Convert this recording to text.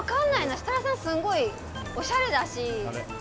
設楽さん、すごいおしゃれだし。